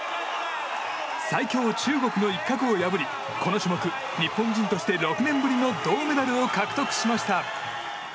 最強・中国の一角を破りこの種目日本人として６年ぶりの銅メダルを獲得しました。